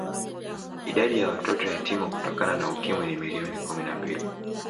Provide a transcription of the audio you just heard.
Idadi ya watoto yatima Kutokana na Ukimwi ni milioni kumi na mbili